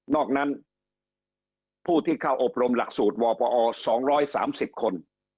อกนั้นผู้ที่เข้าอบรมหลักสูตรวปอ๒๓๐คน